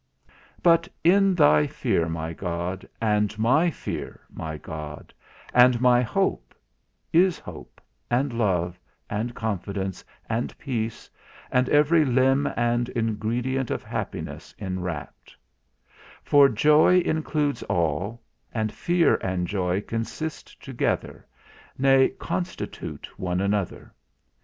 But in thy fear, my God, and my fear, my God, and my hope, is hope, and love, and confidence, and peace, and every limb and ingredient of happiness enwrapped; for joy includes all, and fear and joy consist together, nay, constitute one another.